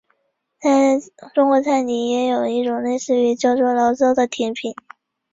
在中国菜里也有一种类似的叫做醪糟的甜品。